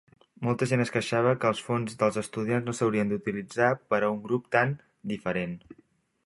Molta gent es queixava que els fons dels estudiants no s'haurien d'utilitzar per a un grup tan "diferent".